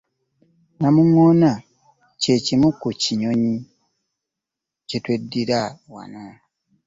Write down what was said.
Namuŋŋoona kye kimu ku binyonyi bye tweddira wano.